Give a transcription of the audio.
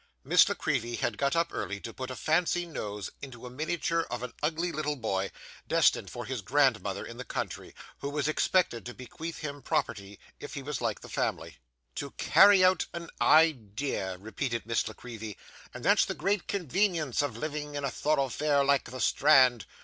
Miss La Creevy had got up early to put a fancy nose into a miniature of an ugly little boy, destined for his grandmother in the country, who was expected to bequeath him property if he was like the family. 'To carry out an idea,' repeated Miss La Creevy; 'and that's the great convenience of living in a thoroughfare like the Strand.